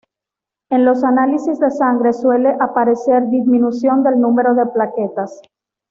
En los análisis de sangre suele aparecer disminución del número de plaquetas.